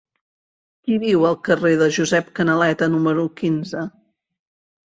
Qui viu al carrer de Josep Canaleta número quinze?